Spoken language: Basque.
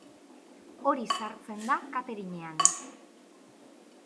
Hori sartzen da cateringean.